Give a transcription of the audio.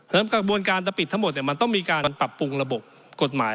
แล้วก็กระบวนการตะปิดทั้งหมดเนี่ยมันต้องมีการปรับปรุงระบบกฎหมาย